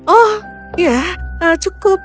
oh ya cukup